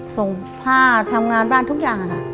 ส่งผ้าทำงานบ้านทุกอย่างค่ะ